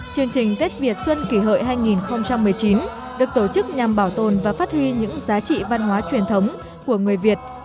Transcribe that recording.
chương trình tết việt xuân kỷ hợi hai nghìn một mươi chín được tổ chức nhằm bảo tồn và phát huy những giá trị văn hóa truyền thống của người việt